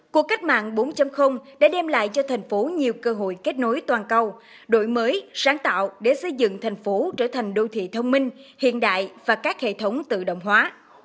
cuộc cách mạng bốn đã đem lại cho thành phố nhiều cơ hội kết nối toàn cầu đổi mới sáng tạo để xây dựng thành phố trở thành đô thị thông minh hiện đại và các hệ thống tự động hóa